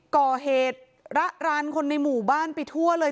ก่อเหตุระรานคนในหมู่บ้านไปทั่วเลย